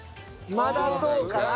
まだそうかな。